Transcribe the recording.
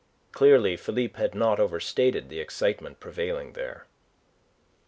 Clearly Philippe had not overstated the excitement prevailing there.